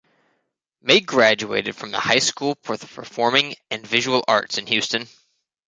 May graduated from the High School for the Performing and Visual Arts in Houston.